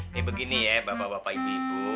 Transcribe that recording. ini begini ya bapak bapak ibu ibu